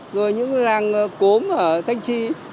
rồi những làng cốm ở thanh tri